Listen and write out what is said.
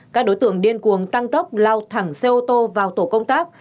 các đối tượng điên cuồng tăng tốc lao thẳng xe ô tô vào tổ công tác